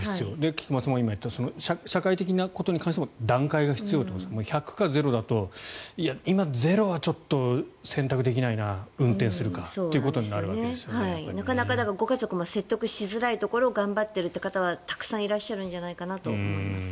菊間さんも今、言った社会的なことに関しても段階が必要ということですが１００か０だと今、ゼロはちょっと選択できないな運転するかということになっているんですかね。なかなかご家族も説得しづらいところを頑張っているという方はたくさんいらっしゃるんじゃないかなと思います。